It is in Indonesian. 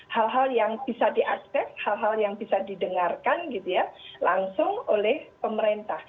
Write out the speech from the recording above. hal hal yang bisa diakses hal hal yang bisa didengarkan gitu ya langsung oleh pemerintah